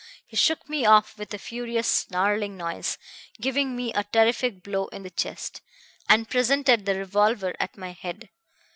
He shook me off with a furious snarling noise, giving me a terrific blow in the chest, and presented the revolver at my head.